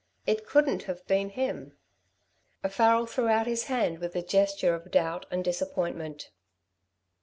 It couldn't have been him." Farrel threw out his hand with a gesture of doubt and disappointment.